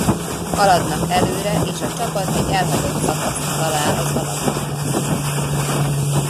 Haladnak előre és a csapat egy elhagyott szakaszt talál az alagútban.